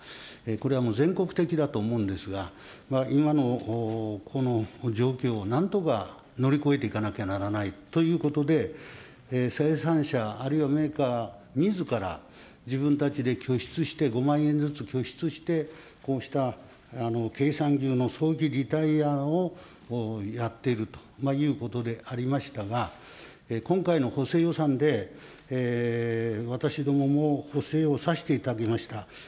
これはもう全国的だと思うんですが、今のこの状況をなんとか乗り越えていかなきゃならないということで、生産者、あるいはメーカーみずから、自分たちで拠出して、５万円拠出して、こうした経産牛の早期リタイアをやっているということでありましたが、今回の補正予算で、私どもも補正をさせていただきました。